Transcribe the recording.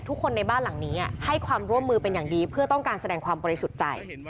คนในบ้านหลังนี้ให้ความร่วมมือเป็นอย่างดีเพื่อต้องการแสดงความบริสุทธิ์ใจ